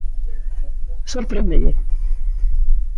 Sorpréndelle?